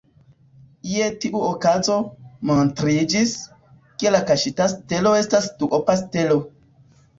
Je tiu okazo, montriĝis, ke la kaŝita stelo estas duopa stelo.